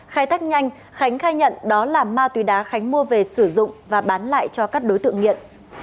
khai tách nhanh khánh khai nhận đó là ma túy đá khánh mua về sử dụng và bán lại cho các đối tượng nghiện